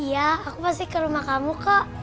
iya aku masih ke rumah kamu kak